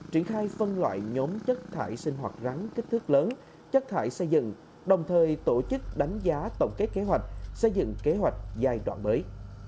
triển khai phân loại nhóm chất thải sinh hoạt gắn kích thước lớn chất thải xây dựng đồng thời tổ chức đánh giá tổng kết kế hoạch xây dựng kế hoạch giai đoạn mới